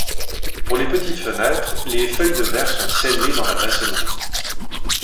Pour les petites fenêtres, les feuilles de verres sont scellées dans la maçonnerie.